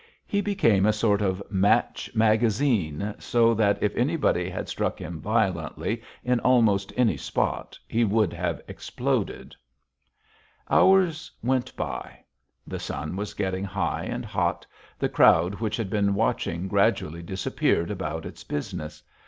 He became a sort of match magazine, so that if anybody had struck him violently, in almost any spot, he would have exploded. Hours went by. The sun was getting high and hot. The crowd which had been watching gradually disappeared about its business.